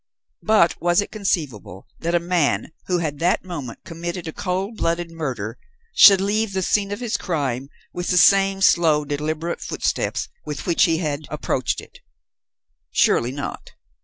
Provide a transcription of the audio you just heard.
But was it conceivable that a man who had that moment committed a cold blooded murder should leave the scene of his crime with the same slow, deliberate footsteps with which he had approached it? Surely not.